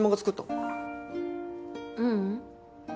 ううん。